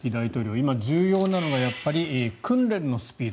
今、重要なのは訓練のスピード